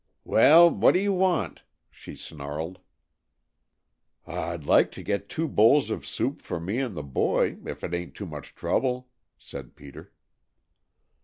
"Well, what do you want?" she snarled. "I'd like to get two bowls of soup for me and the boy, if it ain't too much trouble," said Peter.